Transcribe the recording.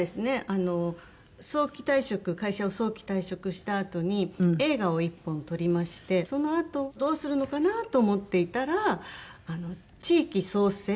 あの早期退職会社を早期退職したあとに映画を１本撮りましてそのあとどうするのかな？と思っていたら地域創生